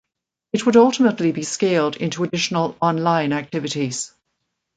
It would ultimately be scaled into additional online activities.